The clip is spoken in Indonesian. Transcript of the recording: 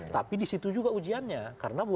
tapi disitu juga ujiannya